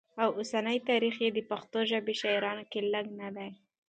او اوسني تاریخ کي د پښتو ژبې شاعران که لږ نه دي